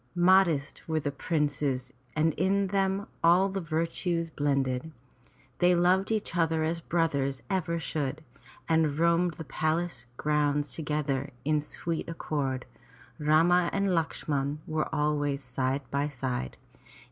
Modest were the princes and in them all the virtues blended. They loved each other as brothers ever should, and roamed the palace grounds together in sweet accord, Rama and Lakshman always side by side.